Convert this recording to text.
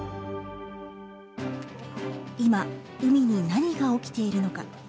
今、海に何が起きているのか。